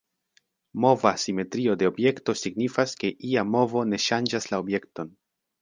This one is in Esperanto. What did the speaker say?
Mova simetrio de objekto signifas, ke ia movo ne ŝanĝas la objekton.